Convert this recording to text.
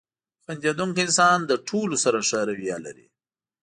• خندېدونکی انسان له ټولو سره ښه رویه لري.